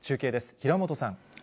平本さん。